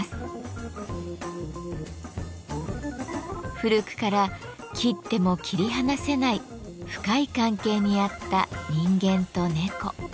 古くから切っても切り離せない深い関係にあった人間と猫。